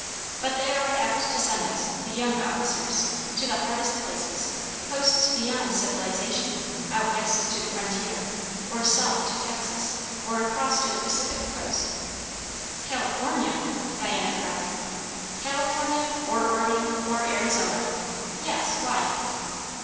But they are apt to send us, the young officers, to the hardest places; posts beyond civilisation, out west to the frontier, or south to Texas, or across to the Pacific coast." "California!" Diana cried. "California; or Oregon; or Arizona. Yes; why?"